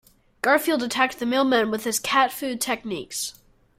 Garfield attacked the mailman with his "Cat Fu" techniques.